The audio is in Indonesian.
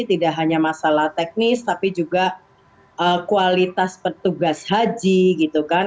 tidak hanya masalah teknis tapi juga kualitas petugas haji gitu kan